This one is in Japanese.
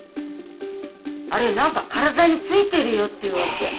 あれ、なんか体についてるよっていうわけ。